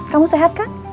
kamu sehat kan